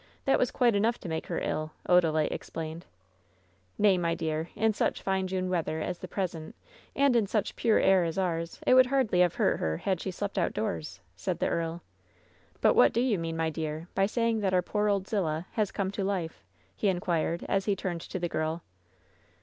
That was quite enough to make her ill," Odalite ex plained. "Nay, my dear; in such fine June weather as the present, and in such pure air as ours, it would hardly have hurt her had she slept outdoors," said the earl. "But what do you mean, my dear, by saying that our poor Old Zillah ^has come to life' ?" he inquired, as he turned to the girl.